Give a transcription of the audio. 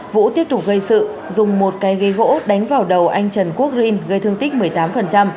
vũ tiếp tục gây sự dùng một cây gây gỗ đánh vào đầu anh trần quốc rin gây thương tích một mươi tám